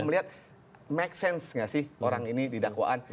melihat make sense gak sih orang ini di dakwaan